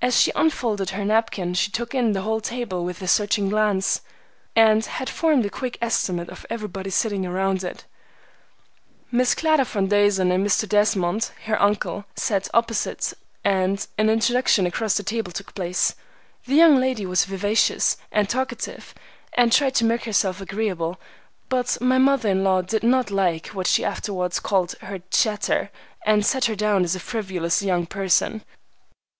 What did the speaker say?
As she unfolded her napkin she took in the whole table with a searching glance, and had formed a quick estimate of everybody sitting around it. Miss Clara Van Duzen and Mr. Desmond, her uncle, sat opposite, and an introduction across the table took place. The young lady was vivacious and talkative, and tried to make herself agreeable, but my mother in law did not like what she afterwards called her "chatter," and set her down as a frivolous young person.